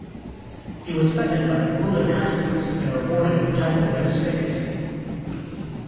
He was feted by the ruling Habsburgs and rewarded with titles and estates.